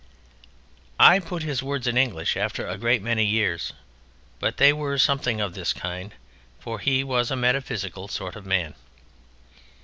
I put his words in English after a great many years, but they were something of this kind, for he was a metaphysical sort of man.